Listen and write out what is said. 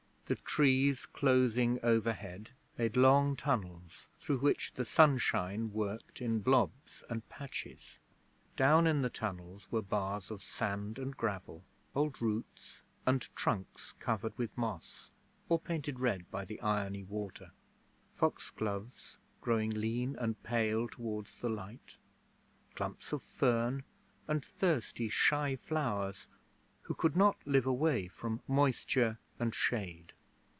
The trees closing overhead made long tunnels through which the sunshine worked in blobs and patches. Down in the tunnels were bars of sand and gravel, old roots and trunks covered with moss or painted red by the irony water; foxgloves growing lean and pale towards the light; clumps of fern and thirsty shy flowers who could not live away from moisture and shade.